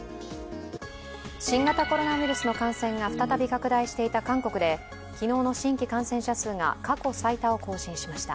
新型コロナウイルスの感染が再び拡大していた韓国で、昨日の新規感染者数が過去最多を更新しました。